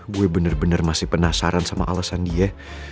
gue bener bener masih penasaran sama alasan dia